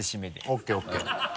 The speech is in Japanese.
ＯＫＯＫ。